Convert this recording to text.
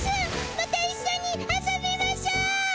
またいっしょに遊びましょう！